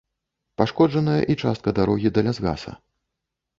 Пашкоджаная і частка дарогі да лясгаса.